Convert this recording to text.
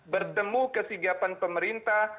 bertemu kesigapan pemerintah